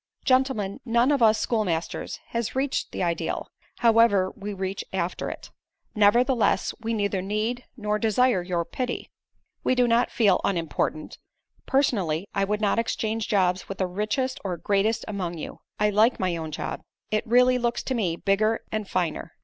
"Gentlemen, none of us schoolmasters has reached the ideal; however, we reach after it. Nevertheless, we neither need, nor desire your pity. We do not feel unimportant. Personally, I would not exchange jobs with the richest or greatest among you. I like my own job. It really looks to me, bigger and finer.